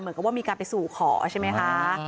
เหมือนกับว่ามีการไปสู่ขอใช่ไหมคะ